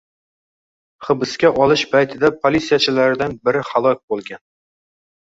Hibsga olish paytida politsiyachilardan biri halok bo‘lgan